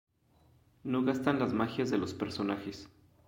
No gastan las magias de los personajes.